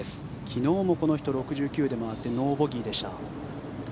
昨日もこの人は６９で回ってノーボギーでした。